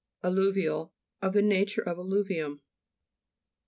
ALLU'VIAL Of the nature of allu vium.